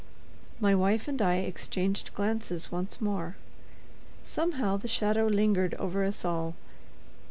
My wife and I exchanged glances once more. Somehow, the shadow lingered over us all.